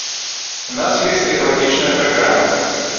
У нас ёсць экалагічная праграма.